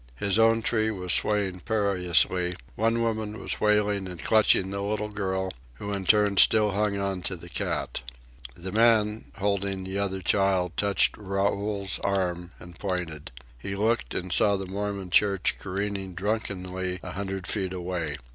His own tree was swaying perilously, one woman was wailing and clutching the little girl, who in turn still hung on to the cat. The man, holding the other child, touched Raoul's arm and pointed. He looked and saw the Mormon church careering drunkenly a hundred feet away.